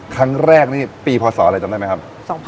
ครั้งแรกนี่ปีพศอะไรจำได้ไหมครับ